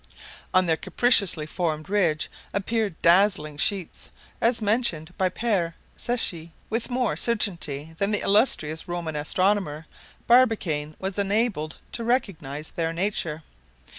On their capriciously formed ridge appeared dazzling sheets, as mentioned by Pere Secchi. With more certainty than the illustrious Roman astronomer, Barbicane was enabled to recognize their nature.